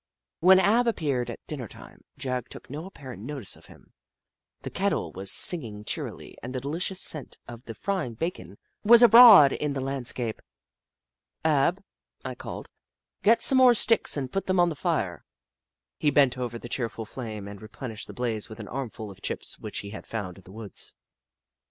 When Ab appeared at dinner time, Jagg took no apparent notice of him. The kettle was singing cheerily and the delicious scent of the frying bacon was abroad in the land scape. " Ab," 1 called, "get some more sticks and put them on the fire." He bent over the cheerful flame and re plenished the blaze with an armful of chips which he had found in the woods.